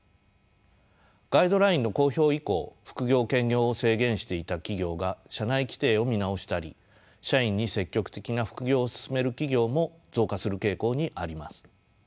ガイドラインの公表以降副業・兼業を制限していた企業が社内規定を見直したり社員に積極的な副業を勧める企業も増加する傾向にあります。